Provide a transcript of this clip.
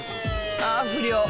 あ不良。